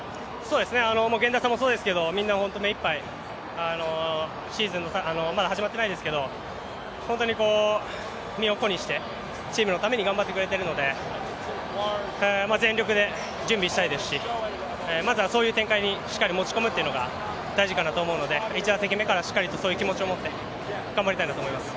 源田さんもそうですけどみんな目一杯シーズンまだ始まってないですけど身を粉にしてチームのために頑張ってくれてるので全力で準備したいですし、まずはそういう展開にしっかり持ち込むというのが大事だと思うので１打席目からしっかりとそういう気持ちを持って頑張りたいと思います。